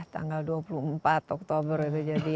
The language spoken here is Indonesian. tanggal dua puluh empat oktober itu jadi